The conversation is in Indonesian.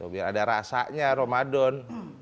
biar ada rasanya ramadan